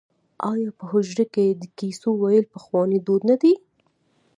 آیا په حجره کې د کیسو ویل پخوانی دود نه دی؟